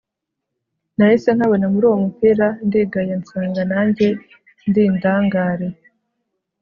nahise nkabona muri uwo mupira ndigaya nsanga nanjye ndi indangare